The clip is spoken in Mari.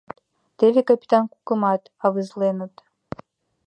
Теве капитан Кукымат авызленыт...